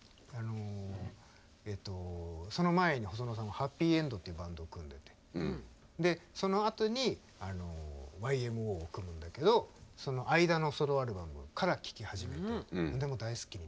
その前に細野さんははっぴいえんどっていうバンドを組んでてでそのあとにＹＭＯを組むんだけどその間のソロアルバムから聴き始めて大好きになって。